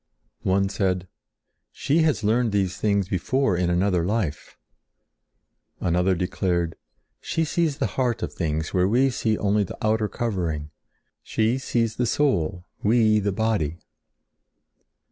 One said: "She has learned these things before in another life." Another declared: "She sees the heart of things where we see only the outer covering. She sees the soul, we the body."